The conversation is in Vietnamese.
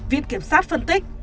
viện kiểm sát phân tích